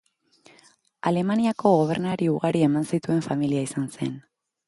Alemaniako gobernari ugari eman zituen familia izan zen.